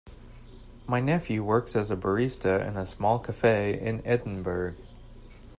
My nephew works as a barista in a small cafe in Edinburgh.